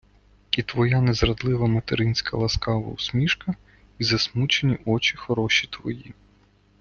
І твоя незрадлива материнська ласкава усмішка, і засмучені очі хороші твої